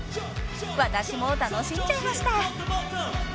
［私も楽しんじゃいました］